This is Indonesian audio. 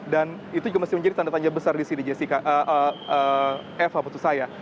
dan itu juga masih menjadi tanda tanya besar di sini eva